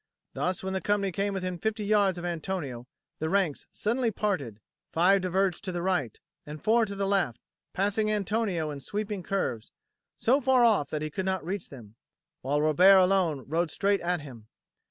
Thus, when the company came within fifty yards of Antonio, the ranks suddenly parted; five diverged to the right, and four to the left, passing Antonio in sweeping curves, so far off that he could not reach them, while Robert alone rode straight at him.